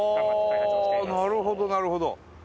はあなるほどなるほど。